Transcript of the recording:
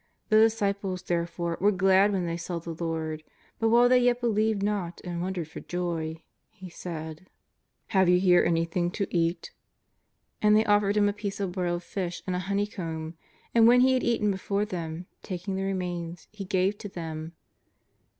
The disciples, therefore, were glad when they saw the Lord. But while they yet be lieved not and wondered for joy, He said: ^' Have you here anything to eat ?" And they offered Ilim a piece of broiled fish and a honeycomb. And wlien He had eaten before them, taking the remains. He gave to them.